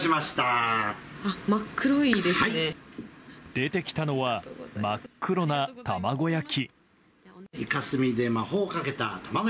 出てきたのは、真っ黒な卵焼き。